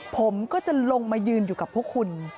ผมก็จะลงมายืนอยู่กับพวกคุณ